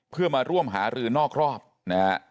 เพื่อมาร่วมหารือนอกรอบนะฮะ